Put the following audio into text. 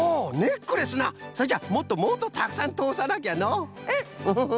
それじゃもっともっとたくさんとおさなきゃのう！うん！フフフ。